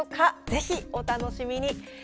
ぜひお楽しみに。